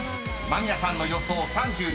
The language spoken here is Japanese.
間宮さんの予想３２％］